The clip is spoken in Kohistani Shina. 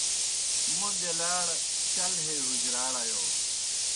موْ بیلاڑ چل ہے حُجراڑ آیوس۔